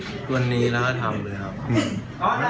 ไม่คิดวันนี้แล้วก็ทำเลยครับ